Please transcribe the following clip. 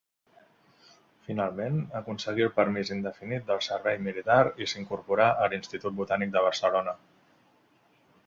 Finalment, aconseguí el permís indefinit del servei militar i s'incorporà a l'Institut Botànic de Barcelona.